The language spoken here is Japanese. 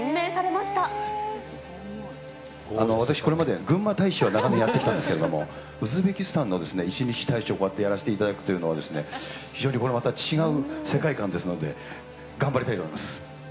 私、これまでぐんま大使は長年やってきたんですけれども、ウズベキスタンの１日大使をこうやってやらせていただくというのはですね、非常にこれまた違う世界観ですので、頑張りたいと思います。